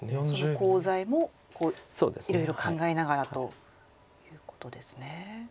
コウ材もいろいろ考えながらということですね。